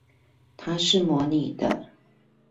他是模擬的